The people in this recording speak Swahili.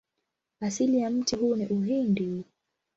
Asili ya mti huu ni Uhindi.